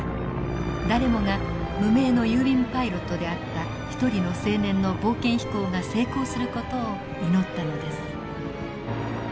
誰もが無名の郵便パイロットであった一人の青年の冒険飛行が成功する事を祈ったのです。